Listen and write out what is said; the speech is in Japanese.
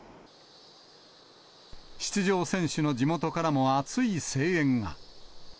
出場選手の地元からも熱い声援が。